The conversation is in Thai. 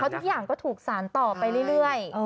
ทุกอย่างก็ถูกสารต่อไปเรื่อย